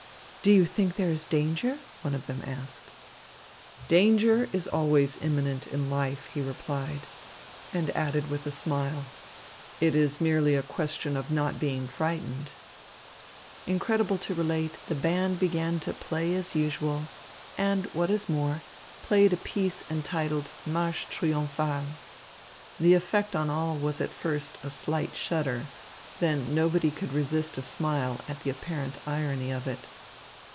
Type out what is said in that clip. "Do you think there is danger?" one of them asked. "Danger is always imminent in life," he replied, and added with a smile: "It is merely a question of not being frightened." Incredible to relate, the band began to play as usual, and, what is more, played a piece entitled Marche triomphale. The effect on all was at first a slight shudder; then nobody could resist a smile at the apparent irony of it.